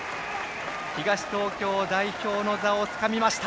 東東京代表の座をつかみました。